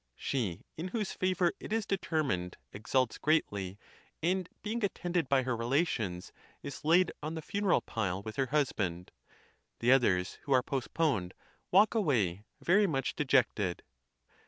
She in whose favor it is determined exults greatly, and being attended by her relations, is laid on the funeral pile with her hus band; the others, who are postponed, walk away very much dejected.